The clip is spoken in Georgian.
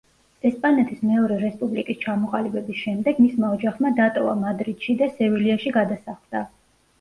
ესპანეთის მეორე რესპუბლიკის ჩამოყალიბების შემდეგ, მისმა ოჯახმა დატოვა მადრიდში და სევილიაში გადასახლდა.